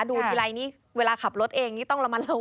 ดูทีไรนี่เวลาขับรถเองนี่ต้องระมัดระวัง